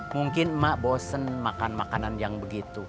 mungkin mak bosen makan makanan yang begitu